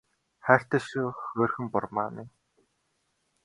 Хайртай шүү хөөрхөн бурмаа минь